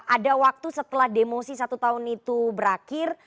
ada waktu setelah demosi satu tahun itu berakhir